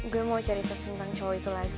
gue mau cerita tentang cowok itu lagi